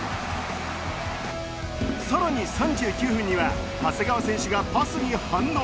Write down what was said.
更に３９分には長谷川選手がパスに反応。